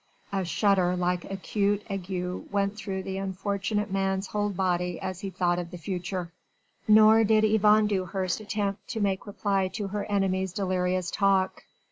A shudder like acute ague went through the unfortunate man's whole body as he thought of the future. Nor did Yvonne Dewhurst attempt to make reply to her enemy's delirious talk.